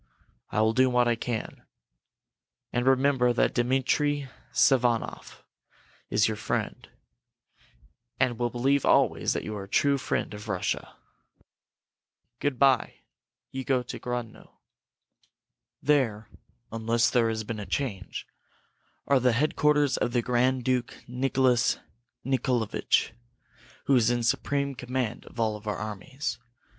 "I will do what I can. And remember that Dmitri Sazonoff is your friend, and will believe always that you are a true friend of Russia. Good bye! You go to Grodno. There, unless there has been a change, are the headquarters of the Grand Duke Nicholas Nicholavitch, who is in supreme command of all our armies.